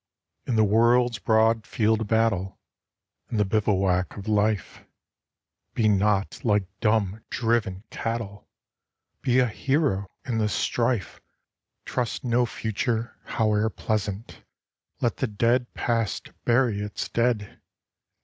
In the world's broad field of battle, In the bivouac of Life, Be not like dumb, driven cattle ! Be a hero in the strife ! Trust no Future, howe'er pleasant ! Let the dead Past bury its dead